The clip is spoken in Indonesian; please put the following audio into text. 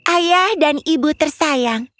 ayah dan ibu tersayang